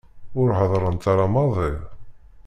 Ur heddrent ara maḍi.